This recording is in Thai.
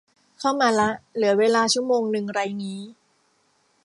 เข้ามาละ เหลือเวลาชั่วโมงนึงไรงี้